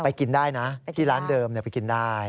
กินได้นะที่ร้านเดิมไปกินได้